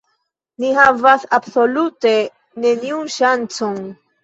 Ni havas absolute neniun ŝancon.